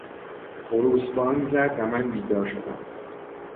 خروس بانگ زد و من بیدار شدم.